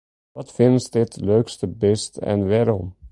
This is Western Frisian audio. Wat fynst it leukste bist en wêrom?